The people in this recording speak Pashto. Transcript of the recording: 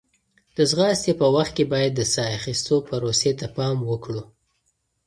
د ځغاستې په وخت کې باید د ساه اخیستو پروسې ته پام وکړو.